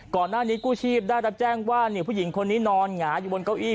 ก่อนหน้านี้กู้ชีพได้รับแจ้งว่าผู้หญิงคนนี้นอนหงายอยู่บนเก้าอี้